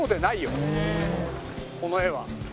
この画は。